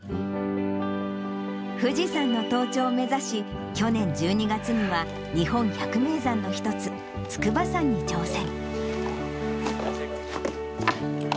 富士山の登頂を目指し、去年１２月には、日本百名山の一つ、筑波山に挑戦。